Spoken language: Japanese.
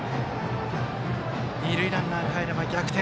二塁ランナーかえれば逆転。